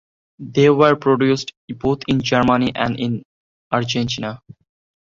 They were produced both in Germany and in Argentina.